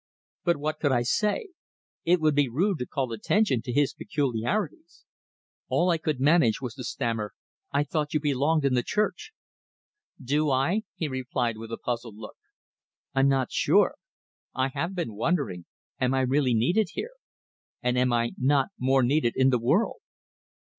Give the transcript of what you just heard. But what could I say? It would be rude to call attention to his peculiarities. All I could manage was to stammer: "I thought you belonged in the church." "Do I?" he replied, with a puzzled look. "I'm not sure. I have been wondering am I really needed here? And am I not more needed in the world?"